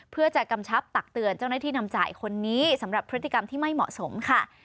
เพื่อจะกำชับตักเตือนเจ้าหน้าที่นำจ่ายคนนี้สำหรับพฤติกรรมที่ไม่เหมาะสมค่ะ